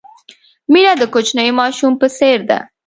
مینه د کوچني ماشوم په څېر ده.